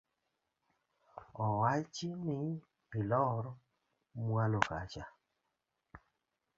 Owachi ni ilor mwalo kacha.